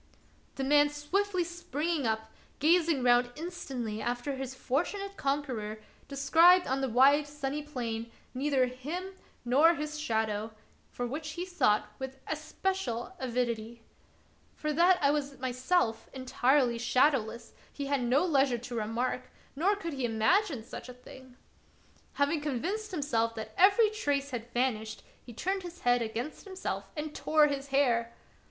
The man swiftly springing up, gazing round instantly after his fortunate conqueror, descried " on the wide sunny plain neither him nor his shadow, for which he sought with especial avidity. of Peter SchlemihL 69 For that I was myself entirely shadowless he had no leisure to remark, nor could he imagine such a thing. Having convinced himself that every trace had vanished, he turned his hand against himself and tore his hair.